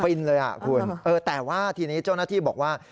เลยอ่ะคุณเออแต่ว่าทีนี้เจ้าหน้าที่บอกว่า